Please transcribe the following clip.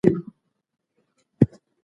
که موږ انټرنیټ ولرو نو نړۍ مو په لاس کې ده.